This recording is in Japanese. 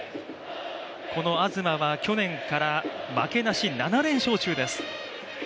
この東は去年から負けなし７連勝中です。